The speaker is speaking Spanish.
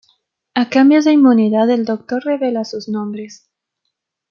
A cambio de inmunidad el doctor revela sus nombres.